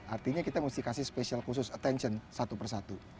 artinya kita mesti kasih spesial khusus attention satu persatu